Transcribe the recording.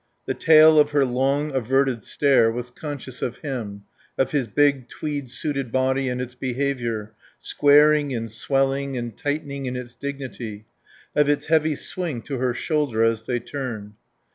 The tail of her long, averted stare was conscious of him, of his big, tweed suited body and its behaviour, squaring and swelling and tightening in its dignity, of its heavy swing to her shoulder as they turned.